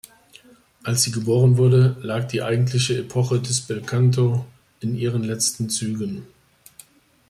Als sie geboren wurde, lag die eigentliche Epoche des Belcanto in ihren letzten Zügen.